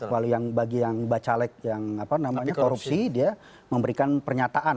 lalu yang bagi yang baca lek yang namanya korupsi dia memberikan pernyataan